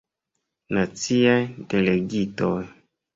Naciaj Delegitoj.